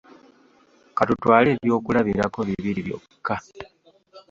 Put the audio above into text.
Ka tutwale ebyokulabirako bibiri byokka.